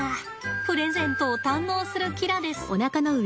プレゼントを堪能するキラです。